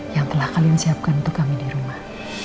yang telah kalian siapkan untuk kami di rumah